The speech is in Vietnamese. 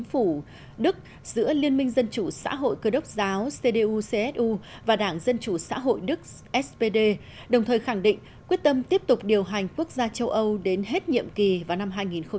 chính phủ đức giữa liên minh dân chủ xã hội cơ đốc giáo cdu csu và đảng dân chủ xã hội đức spd đồng thời khẳng định quyết tâm tiếp tục điều hành quốc gia châu âu đến hết nhiệm kỳ vào năm hai nghìn hai mươi một